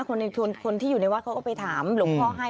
คนที่อยู่ในวัดเขาก็ไปถามหลวงพ่อให้